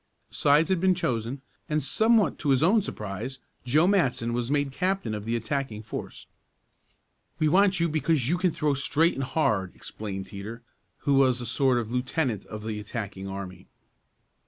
Sides had been chosen, and, somewhat to his own surprise, Joe Matson was made captain of the attacking force. "We want you because you can throw straight and hard," explained Teeter, who was a sort of lieutenant of the attacking army.